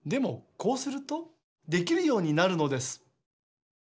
こうするとできるようになるのです。